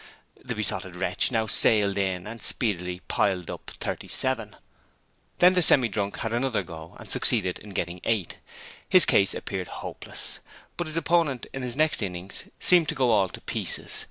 The Besotted Wretch now sailed in and speedily piled up 37. Then the Semi drunk had another go, and succeeded in getting 8. His case appeared hopeless, but his opponent in his next innings seemed to go all to pieces.